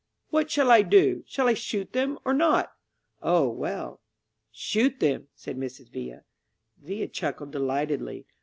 What shall I do? Shall I shoot them or not?" "Oh, well, shoot them," said Mrs. Villa. Villa chuckled delightedly.